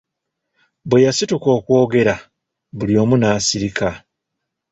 Bwe yasituka okwogera, buli omu n'asirika.